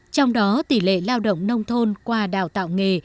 trong đó tỷ lệ lao động nông thôn qua đào tạo nghề